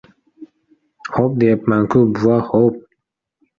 — Xo‘p, deyapman-ku, bova, xo‘p!